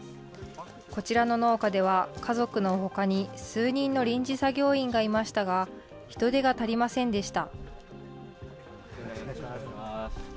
こちらの農家では、家族のほかに数人の臨時作業員がいましたが、人手が足りませんでした。